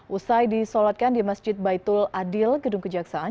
usai disolatkan di masjid baitul adil gedung kejaksaan